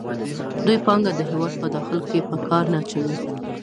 دوی پانګه د هېواد په داخل کې په کار نه اچوي